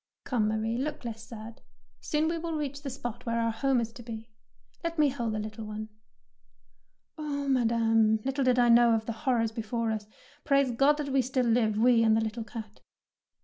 ''Come, Marie, look less sad; soon will we reach the spot where our home is to be. Let me hold the little one.^' "Oh, Madame, little did I know of the horrors before us ! Praise Ood that we still live, we and the little cat."